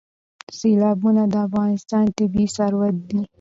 سیلابونه د افغانستان طبعي ثروت دی.